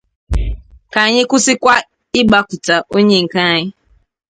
Ka anyị kwụsịkwa ịgbakụta onye nke anyị